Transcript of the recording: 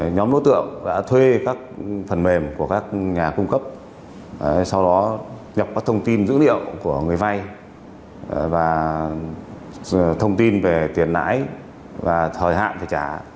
nhóm đối tượng đã thuê các phần mềm của các nhà cung cấp sau đó nhập các thông tin dữ liệu của người vay và thông tin về tiền lãi và thời hạn phải trả